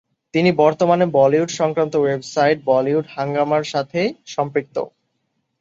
তিনি বর্তমানে বলিউড সংক্রান্ত ওয়েবসাইট "বলিউড হাঙ্গামা"র সাথে সম্পৃক্ত।